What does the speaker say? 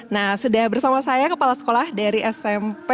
nah sudah bersama saya kepala sekolah dari smp